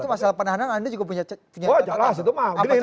itu masalah penahanan nanti juga punya catatan